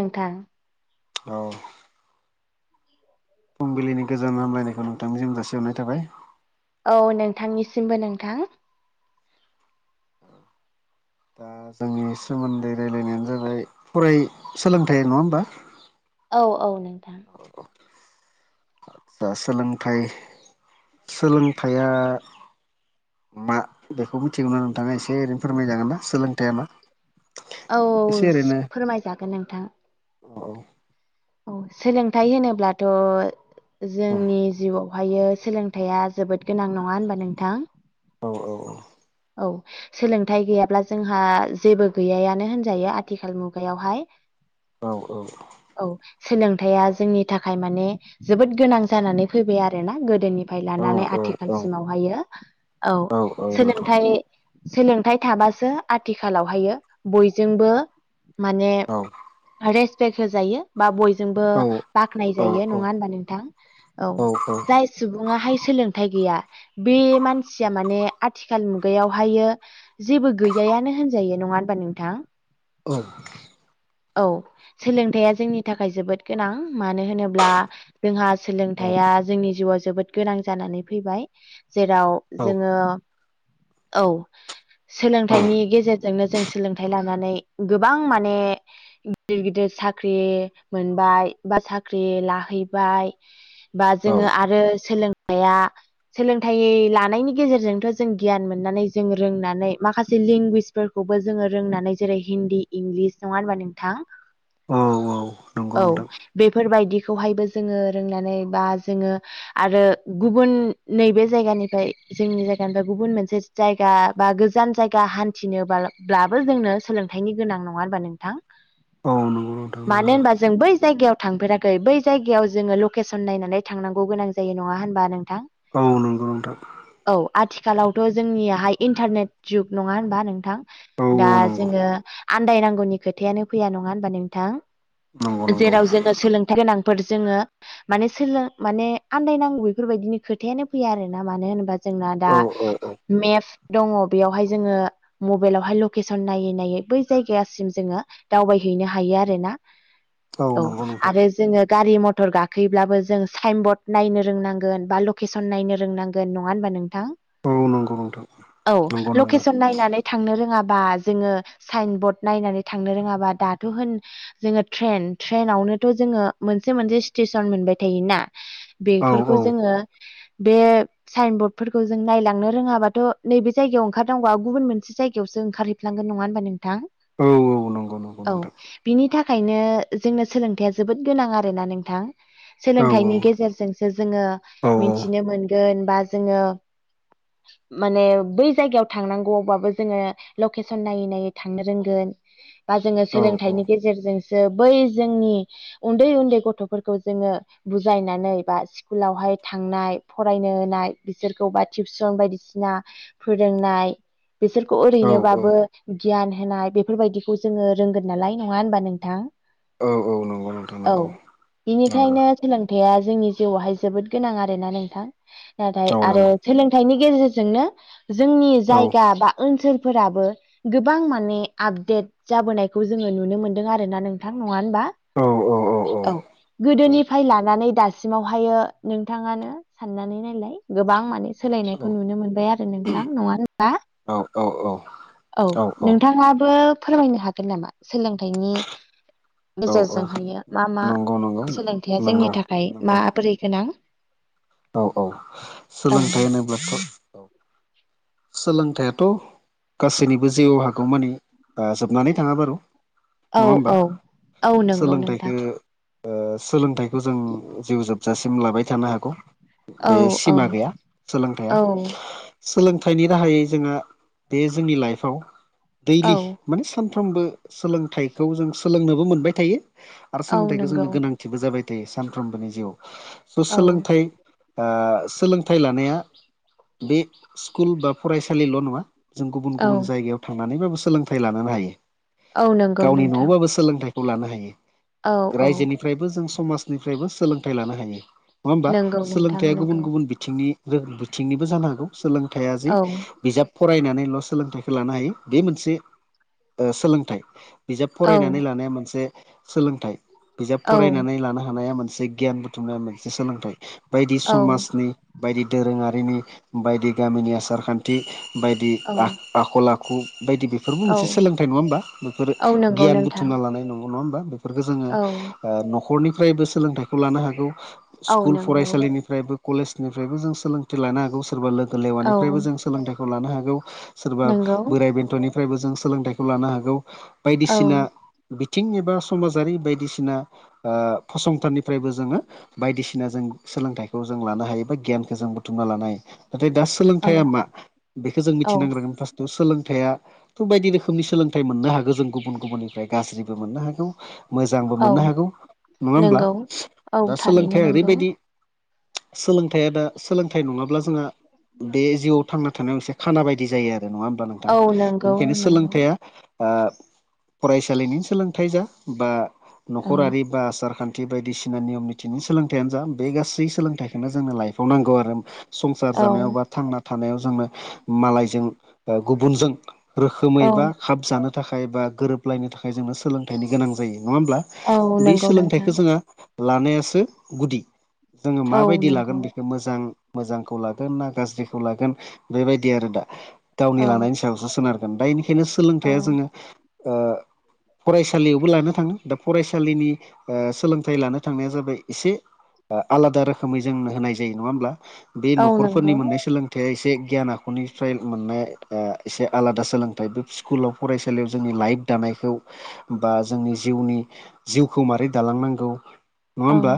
नोंथां औ फुंबिलिनि गोजोन हामलायनायखौ नोंथांनिसिम जासिहरनाय थाबाय। औ नोंथांनिसिमबो नोंथां। दा जोंनि सोमोन्दै रायलायनायानो जाबाय फराय सोलोंथाइ नङा होमबा? औ औ नोंथां। औ औ। आतसा सोलोंथाइ सोलोंथाइया मा बेखौ मिथिगौना नोंथाङा एसे ओरैनो फोरमायजागोन ना सोलोंथाइया मा? औ एसे औ ओरैनो फोरमायजागोन नोंथां। औ औ। औ सोलोंथाइ होनोब्लाथ' जोंनि जिउआवहायो सोलों थाइया जोबोद गोनां नङा होनबा नोंथां? औ औ औ। औ सोलोंथाइ गैयाब्ला जोंहा जेबो गैयायानो होनजायो आथिखाल मुगायावहाय। औ औ। औ सोलोंथाइया जोंनि थाखाय माने जोबोद गोनां जानानै फैबाय आरोना गोदोनि फाय औ लानानै औ आथिखालसिमावहायो औ सोलों थाइ सोलोंथाइ थाबासो आथिखालावहायो बयजोंबो माने औ रेसपेक्ट होजायो बा बयजोंबो औ बाख्नाय जायो नङा होनबा नोंथां? औ जाय सुबुङाहाय सोलोंथाइ गैया बे मानसिया माने आथि खाल मुगायावहायो जेबो गैजायानो होनजायो नङा होनबा नोंथां? औ औ सोलोंथाइया जोंनि थाखाय जोबोद गोनां मानो होनोब्ला जोंहा सोलोंथाइया जोंनि जिउआव जोबोद गोनां जानानै फैबाय। जेराव जोङो औ सोलोंथाइनि गेजेरजोंनो जों सोलोंथाइ लानानै गोबां माने गिदिर गिदिर साख्रि मोनबाय बा साख्रि लाहैबाय बा औ जोङो आरो सोलोंनाया सोलोंथाइ लानायनि गेजेरजोंथ' जों गियान मोननानै जों रोंनानै माखासे लेंगुवेज फोरखौबो जोङो रोंनानै जेरै हिन्दी इंलिस नङा होनबा नोंथां? औ औ। नंगौ औ नोंथां बेफोरबायदिखौहायबो जोङो रोंनानै बा जोङो आरो गुबुन नैबे जायगानिफ्राय जोंनि जायगानिफ्राय गुबुन मोनसे जायगा बा गोजान जायगा हान्थिनोबा ब्लाबो जोंनो सोलों थाइनि गोनां नङा होनबा नोंथां? औ नंगौ नोंथां। नंगौ मानो होनबा जों बै जायगायाव थांफेराखै बै जायगायाव जोङो लकेसन नायनानै थांनांगौ गोनां जा जायो नङा होनबा नोंथां? औ नंगौ। नोंथां औ आथिखालावथ' जोंनियाहाय इन्टारनेट जुग नङा होनबा नोंथां? औ दा औ नंगौ जोङो आन्दायनांगौनि खोथायानो फैया नङा होनबा नोंथां नंगौ नंगौ जेराव जोङो सोलोंथाइ गोनां फोर जोङो माने सोलों माने आन्दायनांगौ बेफोरबायदिनि खोथायानो फैया आरोना मानो होनोबा जोंना औ दा औ औ मेप दङ बेयावहाय जोङो मबाइलावहाय लकेसन नायै नायै बै जायगासिम जोङो दावबायहैनो हायो आरोना औ नंगौ नोंथां आरो जोङो गारि मथर गाखोयोब्लाबो जों साइनबर्ड नायनो रोंनांगोन बा लकेसन नायनो रोंनांगोन होगोन नङा होनोमबा नोंथां बावनांगौ नंथां औ लकेसन नायनानै थांनो रोङाबा जोङो साइन बरर्ड नायनानै थांनो रोङाबा दाथ' होन जोङो ट्रेन ट्रेनावनोथ' जोङो मोनसे मोनसे स्टेसन मोनबाय थायोना औ बेफोरखौ औ जोङो बे साइन बर्डफोरखौ जों नायलांनो रोङाबाथ' नैबे जायगायाव ओंखारनांगौवा गुबुन मोनसे जायगायावसो ओंखारहै फ्लांगोन नङा होनबा नोंथां? औ औ। नंगौ नंगौ औ नोंथां बिनि थाखायनो जोंनो सोलोंथाइया जोबोद गोनां आर ना नोंथां औ सोलोंथाइनि गेजेरजोंसो जोङो औ मिथिनो मोनगोन बा जोङो माने बै जायगायाव थांनांगौआवबाबो जोङो लकेसन नायै नायै थांनो रोंगोन बा जोङो औ सोलोंथाइनि गेजेरजोंसो बै जोंनि उन्दै उन्दै गथ'फोरखौ जोङो बुजायनानै बा स्कुलावहाय थांनाय फरायनो होनाय बिसोरखौबा टिउसन बायदिसिना फोरोंनाय बिसोरखौ औ ओरैनोबाबो गियान होनाय बेफोरबायदिखौ जोङो रोंगोन नालाय नङा होनबा नोंथां औ औ नंगौ नोंथां औ नंगौ नंगौ बेनिखायनो सोलों खोथाया जोंनि जिउआवहाय जोबोद गोनां आरोना नोंथां नाथाय औ आरो नंगौ सोलोंथाइनि गेजेरजोंनो जोंनि औ जायगा बा ओनसोलफोराबो गोबां माने आपडेट जाबोनायखौ जोङो नुनो मोनदों आरोना नोंथां नङा होनबा औ औ गोदोनिफ्राय लानानै दासिमावहायो नोंथाङानो साननानै नायलाय गोबां माने सोलायनायखौ औ नुनो मोनबाय आरो नोंथां नङा औ नोंथाङा फोरमायनो हागोन नामा सोलोंथाइनि औ गेजेरजोंहायो मा मा नंगौ नंगौ सोलोंथायाइया जोंनि नंगौ थाखाय नंगौ माबोरै गोनां औ औ औ सोलोंथाइ होनोब्लाथ' सोलोंथाइथ' गासैनिबो जिउआव हागखौ माने जोबनानै थाङा बार' औ नङा औ होमबा औ नंगौ सोलोंथाइख नोंथां सोलोंथाइखौ जों जिउ जोबजासिम लाबाय थानो हागौ औ बे औ सिमा गैया सोलोंथाइया औ सोलोंथाइनि राहायै जोंहा बे जोंनि लाइफआव औ दैलि माने सानफ्रोमबो सोलोंथाइखौ जों सोलोंनोबो मोनबाय थायो आरो औ सोलोंथाइखौ नंगौ जोंनो गोनां बो जाबाय थायो सानफ्रोमबोनि जिउआव स' औ सोलोंथाइ सोलोंथाइ लानाया बे स्कुल बा फरायसालिल' नङा जों गुबुन औ गुबुन जायगायाव थांनानैबाबो सोलोंथाइ लानोनो हायो औ नंगौ गावनि नोंथां न'आवबाबो सोलोंथाइखौ लानो हायो औ औ रायजोनिफ्रायबो जों समाजनिफ्रायबो सोलोंथाइ लानो हायो नङा हबा नंगौ नोंथां सोलोंथायाइया गुबुन नंगौ गुबुन बिथिंनि बिथिंनिबो जानो हागौ सोलों थाय औ आजि बिजाब फरायनानैल' सोलोंथाइखौ लानो हायो बे मोनसे सोलोंथाइ बिजाब औ फरायनानै लानाया मोनसे सोलोंथाइ बिजाब औ फरायनानै लानो हानाया मोनसे गियान बुथुमनाया मोनसे सोलोंथाइ बायदि औ समाजनि बायदि दोरोङारिनि बायदि गामिनि आसार खान्थि बायदि औ आ आखल आखु बायदि बि बेफोरबो औ मोनसे सोलोंथाइ नङा होमबा बेफोर औ नंगौ गियान नोंथां बुथुमना लानाय नंगौ नङा होमबा बेफोरफोरखो जोङो औ ओ न'खरनिफ्रायबो सोलोंथाइखौ लानो हागौ औ स्कुल नंगौ फरायसालिनि फ्रायबो कलेजनिफ्रायबो जों सोलोंथाइ लानो हागौ सोरबा लोगो औ लेवानिफ्रायबो जों सोलोंथाइखौ लानो हागौ। सोरबा नंगौ बोराइ बेन्थ'निफ्रायबो जों सोलोंथाइखौ लानो हागौ औ बायदिसिना बिथिं एबा समाजारि बायदिसिना ओ फसंथाननिफ्रायबो जोङो बायदिसिना जों सोलोंथाइखौ जों लानो हायो बा गियानखौ जों बुथुमना लानाय हायो। नाथाय दा औ सोलोंथाइया मा बेखौ जों औ मिथिनांग्रोगोन फार्स्टआव सोलोंथाइया थ' बायदि रोखोमनि सोलोंथाइ मोननो हागौ जों गुबुन गुबुननिफ्राय गाज्रिबो मोननो हागौ। मोजांबो औ मोननो हागौ नङा होमब्ला नंगौ औ दा थारैनो सोलोंथाइया नंगौ ओरैबायदि। सोलोंथाइया दा सोलोंथाइ नङाब्ला जोंहा बे जिउआव थांना थानायाव एसे खाना बायदि जायो आरो नङा होमबा नोंथां औ नंगौ बेनो नंगौ सोलोंथाइ आब फरायसालिनि सोलोंथाइ जा बा औ न'खरारि बा आसार खान थि बायदिसिना नियम निथिनि सोलोंथाइानो जा बे गासै सोलोंथाइखोनो जोंनो लाइफाव नांगौ आरो संसार औ जानायाव बा थांना थानायाव जोंनो मालायजों ओ गुबुनजों। औ रोखोमै बा खाब जानो थाखाय बा गोरोबलायनो थाखाय जोंनो सोलोंथाइनि गोनां जायो नङा होमब्ला। औ बै नंगौ सोलोंथाइखो नोंथां जोंहा लानायासो गुदि जोङो औ माबायदि नंगौ लागोन बेखौ मोजां मोजांखौ ला गोना गाज्रिखौ लागोन बेबायदि आरो दा गावनि औ लानायनि सायावसो सोनारगोन दानिखायनो औ सोलोंथाइया जोङो ओ फरायसालियावबो लानो थाङो दा फरायसालिनि ओ सोलोंथाइ लानो थांनाया जाबाय एसे आ आलादा रोखोमै जोंनो होनाय जायो नङा होमब्ला बे औ न'खर नंगौ [unintelligible] सोलोंथाइा एसे गियान आखुनिफ्राय मोननाय ओ एसे आलादा सोलोंथाइ बो खुलाव फरायसालियाव जोंनि लाइट दानायखौ बा जोंनि जिउनि जिउखौ मारै दालांनांगौ। नङा औ होमबा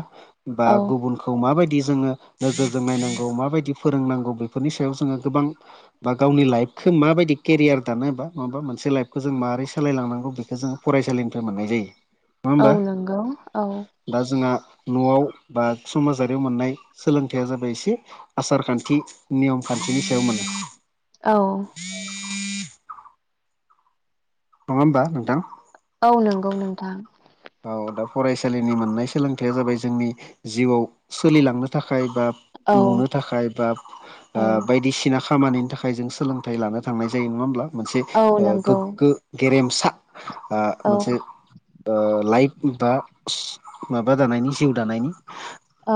बा औ गुबुनखौ माबायदि जोङो नोजोरजों नायनांगौ माबायदि फोरोंनांगौ बेफोरनि सायाव जोङो गोबां। बा गावनि लाइफखो माबायदि केरियार दानो बा नङाबा मोनसे लाइफखौ जों माबोरै सालायलांनांगौ बेखौ जोङो। फरायसालिनिफ्राय मोननाय जायो। औ होमबा नंगौ औ। दा जोंहा न'आव बा समाजारियाव मोननाय सोलोंथाइया जाबाय एसे आसार खान्थि नियम खान्थिनि सायाव मोनो। औ। नङा होमबा नोंथां। औ नंगौ नोंथां। औ दा फरायसालिनि मोननाय सोलोंथाइया जाबाय जोंनि जिउआव सोलिलांनो थाखाय बा औ नुनो थाखाय बा आ औ बायदिसिना खा‌ खामानि नि थाखाय जों सोलोंथाइ लानो थांनाय जायो नङा होमब्ला मोनसे औ ओ नंगौ गोगो गेरेमसा आ औ मोनसे ओ लाइफ बा सि माबा दानायनि जिउ दानायनि।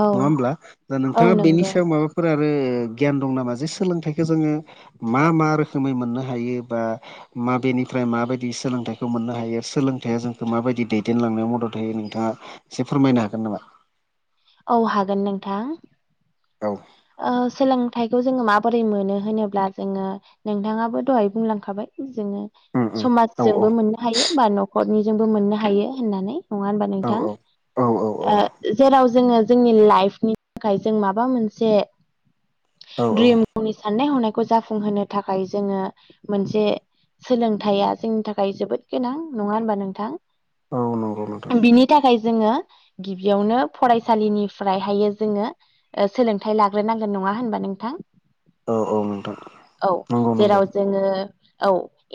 औ नङा होमब्ला दा औ नोंथाङा बेनि नंगौ सायाव माबा फोर आरो गियान दं नामा जे सोलोंथाइखौ जोङो मा मा रोखोमै मोननो हायो बा माबेनिफ्राय माबायदि सोलोंथाइखौ मोननो हायो सोलोंथाइया जोंखौ माबायदि दैद देनलांनायाव मदद होयो नोंथाङा एसे फोरमायनो हागोन नामा। औ हागोन नोंथां। औ। ओ सोलोंथाइखौ जोङो माबोरै मोनो होनोब्ला जोङो। नोंथाङाबो दहाय बुंलांखाबाय जोङो। उम उम औ समाजजोंबो मोननो हायो बा न'खरनिजोंबो मोननो हायो होननानै। नङा होनबा औ नोंथां औ जेराव जोङो जोंनि लाइफनि थाखाय जों माबा मोन औ [inaudible] औ गावनि साननाय हनायखौ जाफुंहोनो थाखाय जोङो मोनसे सोलोंथाया जोंनि थाखाय जोबोद गोनां नङा होनबा नोंथां? औ नंगौ नोंथां बिनि थाखाय जोङो गिबियावनो फरायसालिनिफ्रायहायो जोङो ओ सोलोंथाइ लाग्रोनांगोन नङा होनबा नोंथां? औ औ नोंथां औ नंगौ नंगौ जेराव जोङो औ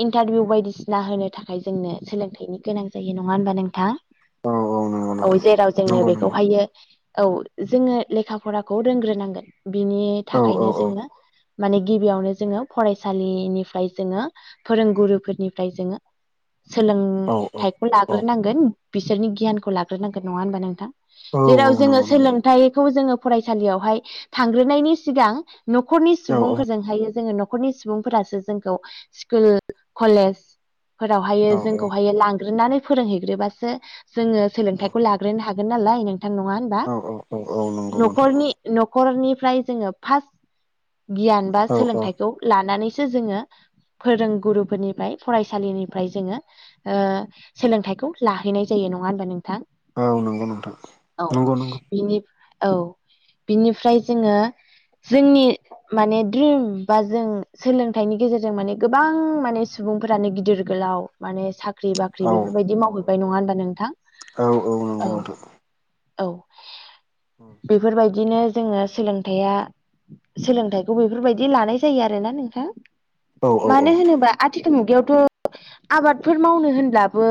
इन्टारभिउ बायदिसिना होनो थाखाय जोंनो सोलोंथाइनि गोनां जायो नङा होनबा नोंथां? औ औ नंगौ औ नोंथां जेराव जोंनो नंगौ नंगौ बेखौहायो औ जोङो लेखा फरा खौ रोंग्रोनांगोन बिनि औ औ थाखायनो औ जोङो माने गिबियावनो जोङो फरायसालिनिफ्राय जोङो फोरोंगुरुफोरनिफ्राय जोङो औ सोलोंथ औ लाग्रोनांगोन बिसोरनि गियानखौ लाग्रोनांगोन नङा होनबा नोंथां औ औ जेराव जोङो नंगौ नंगौ सोलोंथाइखौ जोङो फरायसालियावहाय थांग्रोनायनि सिगां न'खरनि औ औ सुबुंफोरजोंहायो जोङो न'खर न'खरनि सुबुंफोरासो जोंखौ स्कुल कलेज फोरावहायो औ जोंखौहायो लांग्रोनानै फोरोंहैग्रोबासो जोङो सोलोंथाइखौ लाग्रोनो हागोन नालाय नोंथां नङा होनबा? औ औ औ औ नंगौ नोंथां। न'खरनि न'खरनिफ्राय जोङो फास्ट गियान बा औ औ सोलोंथाइखौ लानानैसो जोङो फोरोंगुरुफोरनिफ्राय फरायसालिनिफ्राय जोङो ओ सोलोंथाइखौ लाहैनाय जायो नङा होमबा नोंथां? औ नंगौ नोंथां औ नंगौ नंगौ। बिनि औ बिनिफ्राय जोङो जोंनि माने द्रिम बा जों सोलोंथाइनि गेजेरजों माने गोबां माने सुबुंफोरानो गिदिर गोलाव माने साख्रि औ बाख्रि बेफोरबायदि औ मावहैबाय नङा होनबा नोंथां औ औ नंगौ नोंथां। औ बेफोरबायदिनो जोङो सोलोंथाइया सोलोंथाइखौ बेफोरबायदि लानाय जायो आरोना नोंथां। औ औ मानो होनोबा आथिखाल मुगायावथ' आबादफोर मावनो होनब्लाबो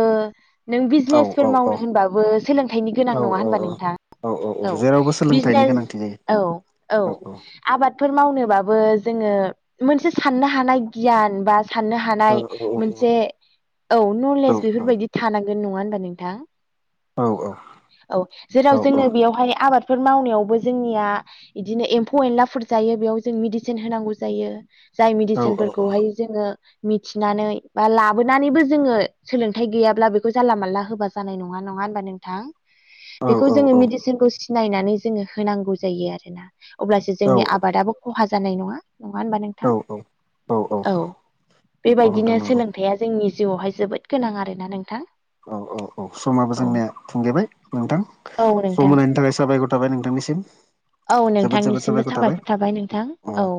नों औ औ बिजनेसफोर मावनो होनबाबो सोलोंथाइनि गोनां नङा होनबा नोंथां? औ जेरावबो सोलोंथाइनि बिजनेस गोनांथि औ औ आबादफोर मावनोबाबो जोङो मोनसे साननो हानाय गियान बा साननो औ हानाय औ मोनसे औ औ नलेज बेफोरबायदि थानांगोन नङा होनबा नोंथां? औ औ जेराव औ जोङो बेयावहाय आबादफोर मावनायावबो जोंनिया बिदिनो एम्फौ एनलाफोर जायो बेयाव जों मेडिसिन होनांगौ जायो जाय औ मेडिसिनफोरखौहाय जोङो मिथिनानै बा लाबोनानैबो जोङो सोलोंथाइ गैयाब्ला बेखौ जानला मानला होबा जानाय नङा, नङा होनोमबा नोंथां? औ बेखौ जोङो मेडिसिनखौ सिनायनानै जोङो होनांगौ जायो आरोना। अब्लासो जोंनि आबादाबो खहा जानाय नङा, नङा होनबा नों औ थां? औ, नंगौ नोंथां बेबायदिनो नंगौ सोलोंथाइया जोंनि औ जिउआवहाय जोबोद गोनां आरोना नोंथां। औ औ औ समाबो औ जोंनिया थुंगेबाय नोंथां औ नोंथां सम होनायनि थाखाय साबायखर थाबाय नोंथांनिसिम। औ नोंथांनिसिमबो साबायखर थाबाय नोंथां औ।